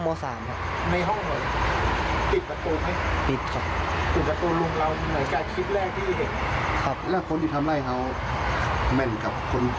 เขาตายแล้วก็มอเตอร์ศัยเค้าไง